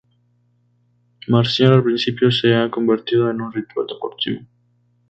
Marcial al principio, se ha convertido en un ritual deportivo.